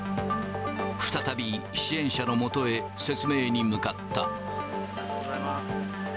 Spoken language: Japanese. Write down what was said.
再び、支援者のもとへ説明に向かった。